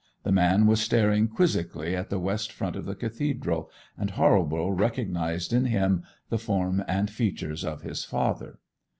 The man was staring quizzically at the west front of the cathedral, and Halborough recognized in him the form and features of his father.